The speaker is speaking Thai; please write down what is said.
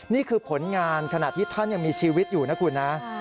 นี่คือผลงานขณะที่ท่านยังมีชีวิตอยู่นะคุณนะ